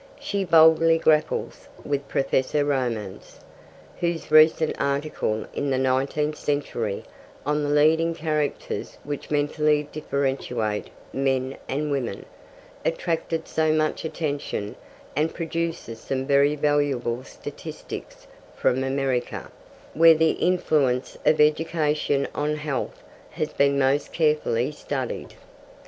She boldly grapples with Professor Romanes, whose recent article in the Nineteenth Century, on the leading characters which mentally differentiate men and women, attracted so much attention, and produces some very valuable statistics from America, where the influence of education on health has been most carefully studied.